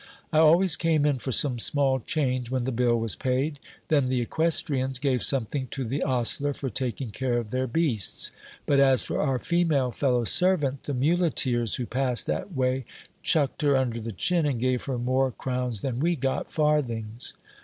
I always came in for some small change, when the bill was paid. Then the equestrians gave something to the ostler, for taking care of their beasts : but as for our female fellow sen ant, the muleteers who passed that way chucked her under the chin, and gave her more crowns than we got farthings.